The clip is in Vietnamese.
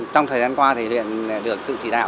trong thời gian qua thì huyện được sự chỉ đạo